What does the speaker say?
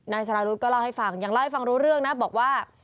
สารวุฒิก็เล่าให้ฟังยังเล่าให้ฟังรู้เรื่องนะบอกว่า